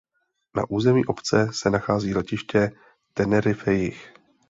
Na území obce se nachází letiště Tenerife Jih.